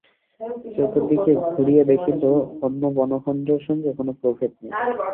চতুর্দিকে ঘুরিয়া দেখিল, অন্য বনখণ্ডের সঙ্গে কোনো প্রভেদ নাই।